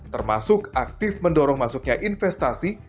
termasuk aktif mendorong masuknya investasi